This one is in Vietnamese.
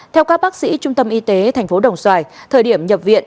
theo các bác sĩ trung tâm y tế thành phố đồng xoài thời điểm nhập viện